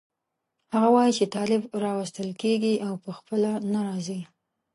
هغه وایي چې طالب راوستل کېږي او په خپله نه راځي.